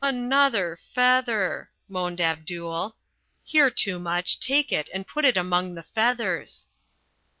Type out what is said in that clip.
"Another feather," moaned Abdul. "Here, Toomuch, take it and put it among the feathers!"